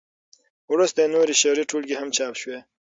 وروسته یې نورې شعري ټولګې هم چاپ شوې.